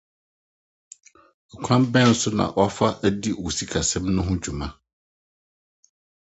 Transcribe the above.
Ɔkwan bɛn so na woafa adi wo sikasɛm ho dwuma?